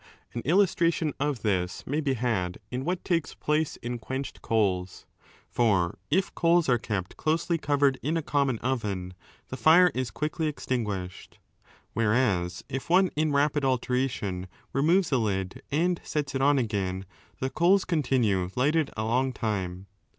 An illustration of this may be had in what takes place in quenched coals. For if coals are kept closely covered in a common oven, the fire is quickly extinguished. Whereas if one in rapid alternation removes a lid and 6 sets it on again, the coals continue lighted a long time.